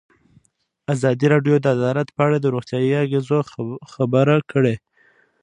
ازادي راډیو د عدالت په اړه د روغتیایي اغېزو خبره کړې.